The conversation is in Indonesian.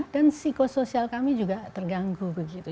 dan psikosoial kami juga terganggu begitu